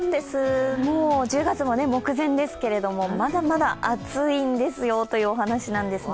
１０月も目前ですけど、まだまだ暑いんですよというお話です。